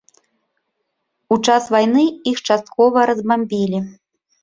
У час вайны іх часткова разбамбілі.